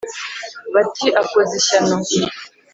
bati: akoze ishyano!”